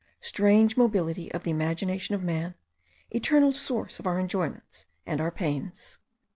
Strange mobility of the imagination of man, eternal source of our enjoyments and our pains!